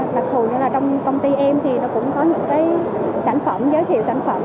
mặc dù như là trong công ty em thì nó cũng có những cái sản phẩm giới thiệu sản phẩm